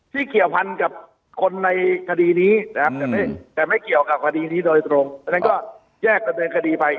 ที่เกี่ยวพันธุ์กับคนในคดีนี้แต่ไม่เกี่ยวอะไรนี้โดยตรง